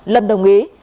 lâm đồng ý